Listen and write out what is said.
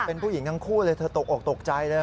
เป็นผู้หญิงทั้งคู่เลยเธอตกออกตกใจเลย